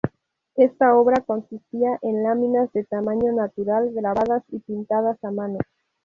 Esta obra consistía en láminas de tamaño natural grabadas y pintadas a mano.